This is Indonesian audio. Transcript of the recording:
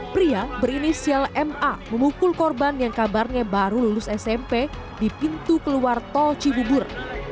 pria berinisial ma memukul korban yang kabarnya baru lulus smp di pintu keluar tol cibubur